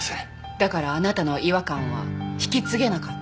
だからあなたの違和感は引き継げなかった。